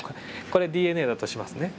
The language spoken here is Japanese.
これＤＮＡだとしますね。